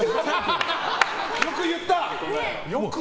よく言った！